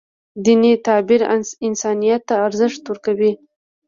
دیني تعبیر انسانیت ته ارزښت ورکوي.